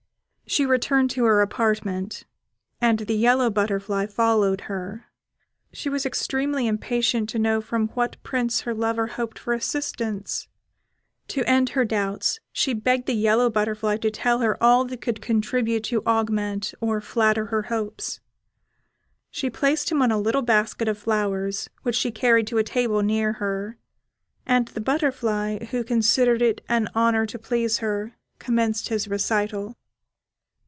She returned to her apartment, and the yellow butterfly followed her; she was extremely impatient to know from what prince her lover hoped for assistance; to end her doubts, she begged the yellow butterfly to tell her all that could contribute to augment or flatter her hopes. She placed him on a little basket of flowers, which she carried to a table near her, and the butterfly, who considered it an honour to please her, commenced his recital.